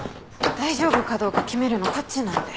大丈夫かどうか決めるのこっちなんで。